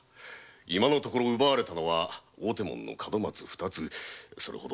今のところ奪われたのは大手門の門松二つのみ。